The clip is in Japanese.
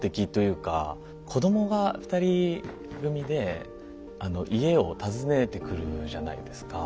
子どもが２人組で家を訪ねてくるじゃないですか。